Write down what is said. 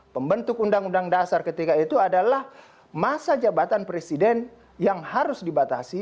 pembentuk undang undang dasar ketika itu adalah masa jabatan presiden yang harus dibatasi